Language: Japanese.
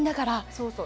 そうそう。